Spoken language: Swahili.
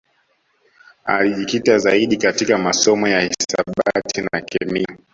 Alijikita zaidi katika masomo ya hisabati na kemia